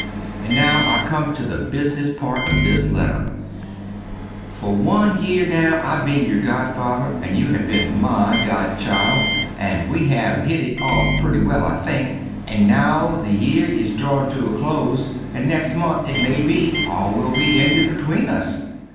And now I come to the bizness part of this leter. Fer one yere now I have been your godfather and you have been my godchild, and we have hit it off pretty well I think, and now the yere is drawing to a close, and next month it may be all will be ended between us.